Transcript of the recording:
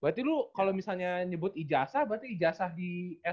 berarti lu kalau misalnya nyebut ijasa berarti ijasa itu